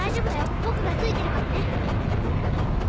僕がついてるからね。